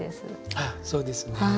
あそうですね。